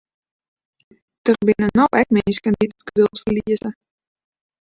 Der binne no ek minsken dy't it geduld ferlieze.